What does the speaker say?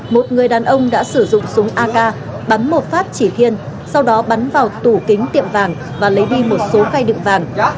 một người đàn ông đã sử dụng súng ak bắn một phát chỉ thiên sau đó bắn vào tủ kính tiệm vàng và lấy đi một số khy đựng vàng